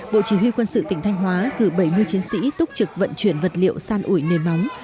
bộ chỉ huy quân sự tỉnh thanh hóa cử bảy mươi chiến sĩ túc trực vận chuyển vật liệu san ủi nền móng